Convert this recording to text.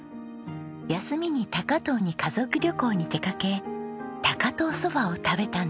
休みに高遠に家族旅行に出かけ高遠そばを食べたんです。